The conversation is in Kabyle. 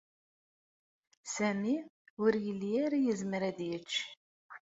Sami ur yelli ara yezmer ad yečč.